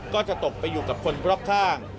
ก็จะตกไปอยู่กับคนรอบข้าง